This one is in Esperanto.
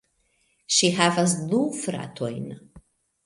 Ŝi havas du fratojn.